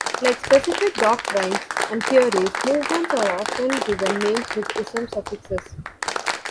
Like specific doctrines and theories, movements are often given names with "ism" suffixes.